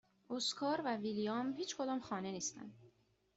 اسکار و ویلیام هیچکدام خانه نیستند.